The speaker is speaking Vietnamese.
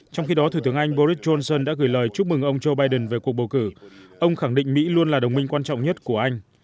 trong khi đó thủ tướng anh boris johnson đã gửi lời chúc mừng ông joe biden về cuộc bầu cử ông khẳng định mỹ luôn là đồng minh quan trọng nhất của anh